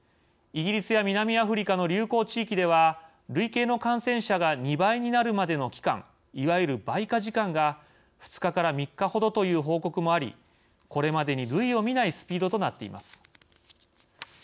イギリスや南アフリカの流行地域では、累計の感染者が２倍になるまでの期間、いわゆる倍加時間が２日から３日ほどという報告もありこれまでに類を見ないスピードとなっています。